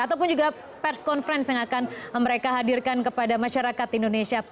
ataupun juga pers conference yang akan mereka hadirkan kepada masyarakat indonesia